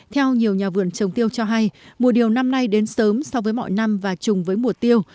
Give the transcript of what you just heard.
theo nhiều nhà vườn trồng tiêu cho hay mùa điều năm nay đến sớm so với mọi năm và chùng với mùa tiêu